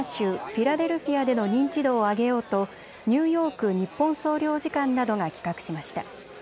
フィラデルフィアでの認知度を上げようとニューヨーク日本総領事館などが企画しました。